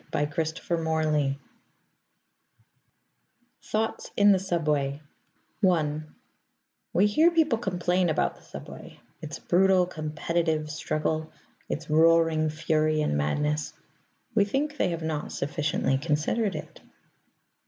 THOUGHTS IN THE SUBWAY I We hear people complain about the subway: its brutal competitive struggle, its roaring fury and madness. We think they have not sufficiently considered it.